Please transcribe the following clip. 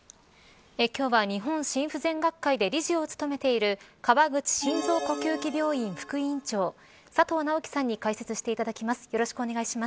今日は、日本心不全学会で理事を務めているかわぐち心臓呼吸器病院副院長佐藤直樹さんに解説していただきます。